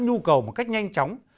nhu cầu một cách nhanh chóng